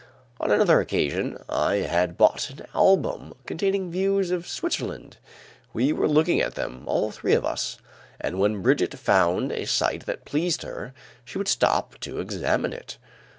On another occasion, I had bought an album containing views of Switzerland. We were looking at them, all three of us, and when Brigitte found a site that pleased her, she would stop to examine it.